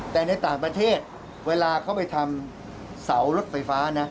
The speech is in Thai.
แต่ในต่างประเทศเวลาเขาไปทำเสารถไฟฟ้านะ